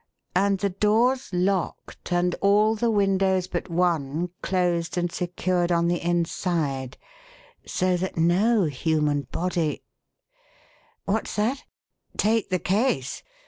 And the doors locked and all the windows but one closed and secured on the inside, so that no human body What's that? Take the case?